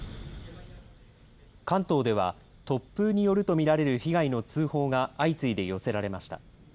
関東では突風によると見られる被害の通報が相次いで寄せられました。